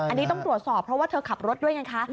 อันนี้ต้องตรวจสอบเพราะว่าเธอขับรถด้วยไงคะ